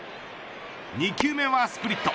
２球目はスプリット。